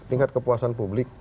tingkat kepuasan publik